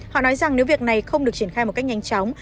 họ nói rằng nếu việc này không được triển khai một cách nhanh chóng